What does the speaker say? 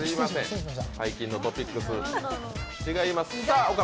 最近のトピックス、違います。